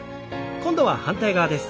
今度は反対側です。